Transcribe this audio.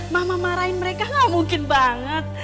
mama marahin mereka gak mungkin banget